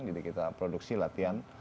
jadi kita produksi latihan